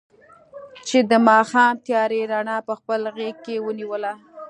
چې د ماښام تیارې رڼا په خپل غېږ کې ونیوله.